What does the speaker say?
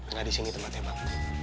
nggak di sini tempatnya bang